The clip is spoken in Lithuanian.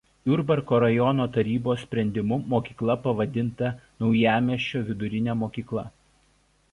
Jurbarko rajono tarybos sprendimu mokykla pavadinta Naujamiesčio vidurine mokykla.